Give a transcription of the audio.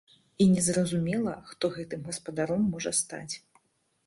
І незразумела, хто гэтым гаспадаром можа стаць.